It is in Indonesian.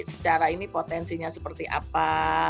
secara ini potensinya seperti apa